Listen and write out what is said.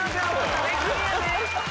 壁クリアです。